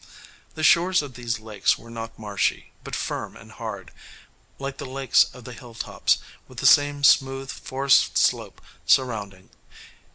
The shores of these lakes were not marshy, but firm and hard, like the lakes of the hilltops, with the same smooth forest slope surrounding.